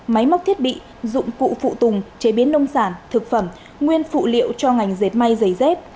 máy móc thiết bị dụng cụ phụ tùng chế biến nông sản thực phẩm nguyên phụ liệu cho ngành dệt may giày dép